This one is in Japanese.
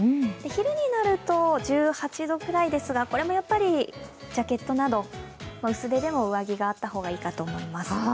昼になると、１８度くらいですが、これもやっぱりジャケットなど薄手でも上着があった方がいいと思います。